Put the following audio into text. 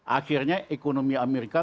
akhirnya ekonomi amerika